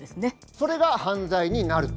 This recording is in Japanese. それが犯罪になると。